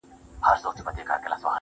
رمې دي د هغه وې اې شپنې د فريادي وې.